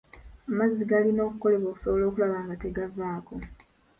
Amazzi galina okukolebwa okusobola okulaba nga tegavaako.